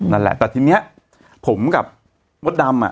นั่นแหละแต่ทีนี้ผมกับมดดำอ่ะ